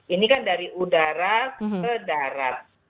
ini kan dari udara ke darat